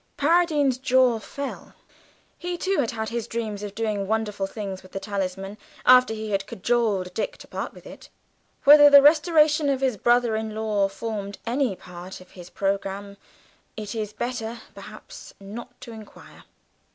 Paradine's jaw fell; he, too, had had his dreams of doing wonderful things with the talisman after he had cajoled Dick to part with it. Whether the restoration of his brother in law formed any part of his programme, it is better, perhaps, not to inquire.